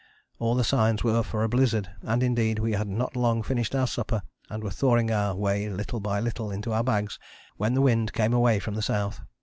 All the signs were for a blizzard, and indeed we had not long finished our supper and were thawing our way little by little into our bags when the wind came away from the south.